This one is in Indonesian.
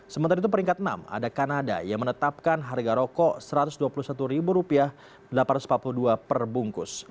sementara itu peringkat enam ada kanada yang menetapkan harga rokok rp satu ratus dua puluh satu delapan ratus empat puluh dua perbungkus